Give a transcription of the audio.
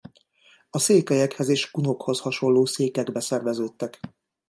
A székelyekhez és kunokhoz hasonló székekbe szerveződtek.